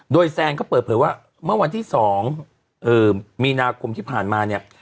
โดยแซนก็เปิดเผยว่าเมื่อวันที่๒มีนาคมที่ผ่านมาเนี่ย